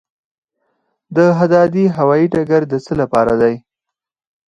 دهدادي هوايي ډګر د څه لپاره دی؟